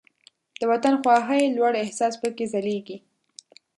د وطن خواهۍ لوړ احساس پکې ځلیږي.